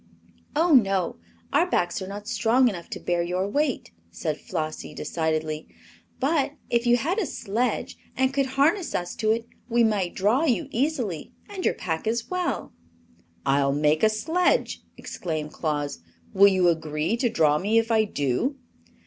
"Oh no; our backs are not strong enough to bear your weight," said Flossie, decidedly. "But if you had a sledge, and could harness us to it, we might draw you easily, and your pack as well." "I'll make a sledge!" exclaimed Claus. "Will you agree to draw me if I do?"